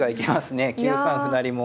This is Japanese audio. ９三歩成も。